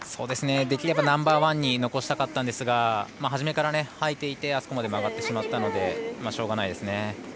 できればナンバーワンに残したかったんですが初めから掃いていてあそこまで曲がってしまったのでしょうがないですね。